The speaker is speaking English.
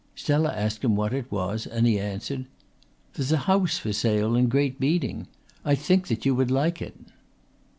Stella asked him what it was and he answered: "There's a house for sale in Great Beeding. I think that you would like it."